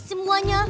dia itu hantu ika